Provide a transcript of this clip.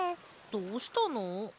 どうしたの？